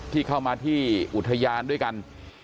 ที่เข้ามาที่อุทยานด้วยกัน